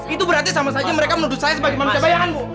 itu berarti sama saja mereka menuduh saya sebagai manusia bayangan bu